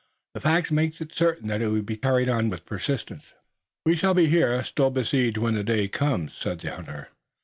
The fact makes it certain that it will be carried on with persistence." "We shall be here, still besieged, when day comes," said the hunter.